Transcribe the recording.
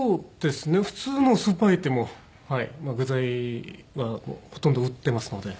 普通のスーパー行っても具材はほとんど売ってますので。